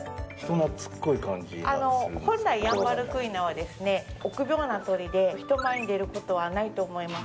本来、ヤンバルクイナは臆病な鳥で人前に出ることはないと思います。